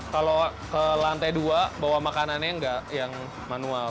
kalau ke lantai dua bawa makanannya nggak yang manual